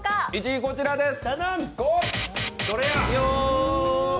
１位、こちらです。